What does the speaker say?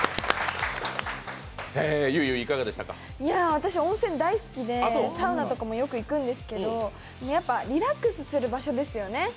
私温泉大好きでサウナとかもよく行くんですけどやっぱリラックスする場所ですよね。